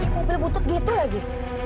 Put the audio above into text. mobil butut gitu lagi